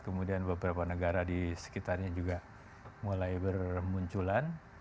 kemudian beberapa negara di sekitarnya juga mulai bermunculan